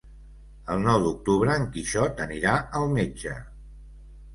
El nou d'octubre en Quixot anirà al metge.